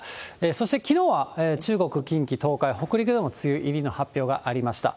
そしてきのうは、中国、近畿、東海、北陸でも梅雨入りの発表がありました。